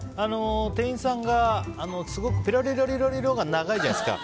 店員さんがすごくピロリロリロリロが長いじゃないですか。